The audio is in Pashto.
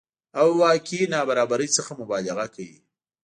او واقعي نابرابرۍ څخه مبالغه کوي